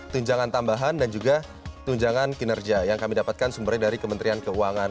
tunjangan tambahan dan juga tunjangan kinerja yang kami dapatkan sumbernya dari kementerian keuangan